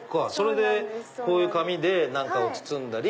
こういう紙で何かを包んだり。